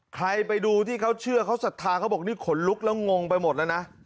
ใครไปดูที่เขาเชื่อเขาศรัทธาเขาบอกนี่ขนลุกแล้วงงไปหมดแล้วนะ